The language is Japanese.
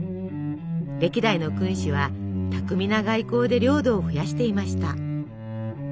歴代の君主は巧みな外交で領土を増やしていました。